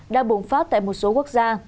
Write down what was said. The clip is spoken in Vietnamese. đang bùng phát tại một số quốc gia